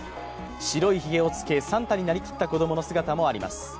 白いひげをつけ、サンタになりきった子供の姿もあります。